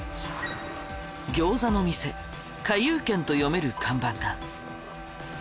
餃子の店花遊軒と読める看板が。